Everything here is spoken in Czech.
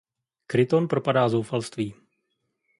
Kryton propadá zoufalství.